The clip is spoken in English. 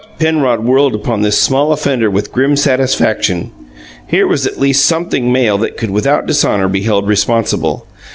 Penrod whirled upon this small offender with grim satisfaction. Here was at least something male that could without dishonour be held responsible.